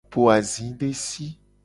Po azidesi.